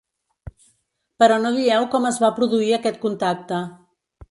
Però no dieu com es va produir aquest contacte.